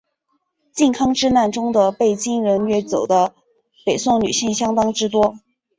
靖康之难中的被金人掠走的北宋女性相当之多。